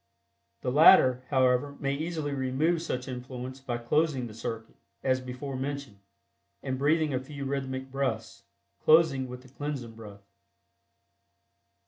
The latter, however, may easily remove such influence by closing the circuit (as before mentioned) and breathing a few rhythmic breaths, closing with the Cleansing Breath.